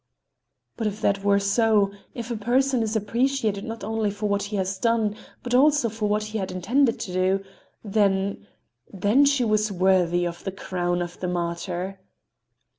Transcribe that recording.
But if that were so, if a person is appreciated not only for what he has done, but also for what he had intended to do—then—then she was worthy of the crown of the martyr!